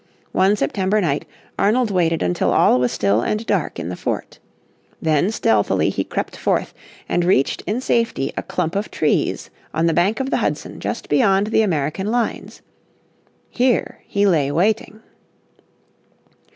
One September night Arnold waited until all was still and dark in the fort. Then stealthily he crept forth and reached in safety a clump of trees on the bank of the Hudson just beyond the American lines. Here he lay waiting.